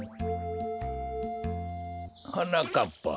はなかっぱ。